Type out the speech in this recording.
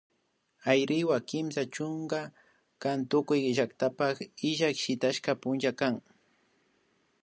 Ayriwa Kimsa chunka kan tukuy llaktapak illak shitashka punlla kan